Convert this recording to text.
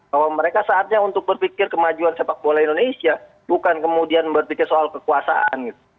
bahwa mereka saatnya untuk berpikir kemajuan sepak bola indonesia bukan kemudian berpikir soal kekuasaan